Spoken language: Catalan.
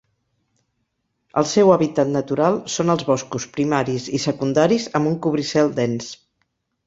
El seu hàbitat natural són els boscos primaris i secundaris amb un cobricel dens.